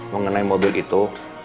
mengenai mobil itu